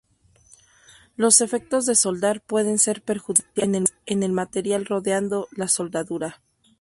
Los efectos de soldar pueden ser perjudiciales en el material rodeando la soldadura.